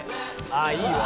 「ああ！いいわ」